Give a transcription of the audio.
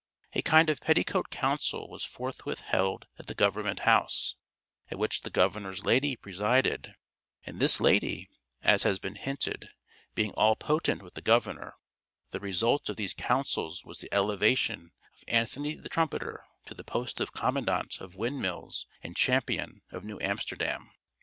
A kind of petticoat council was forthwith held at the government house, at which the governor's lady presided: and this lady, as has been hinted, being all potent with the governor, the result of these councils was the elevation of Anthony the Trumpeter to the post of commandant of windmills and champion of New Amsterdam.